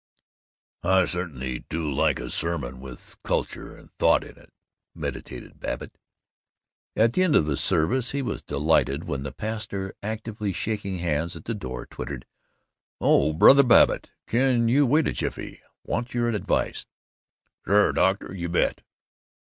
"I certainly do like a sermon with culture and thought in it," meditated Babbitt. At the end of the service he was delighted when the pastor, actively shaking hands at the door, twittered, "Oh, Brother Babbitt, can you wait a jiffy? Want your advice." "Sure, doctor! You bet!"